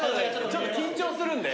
ちょっと緊張するんで。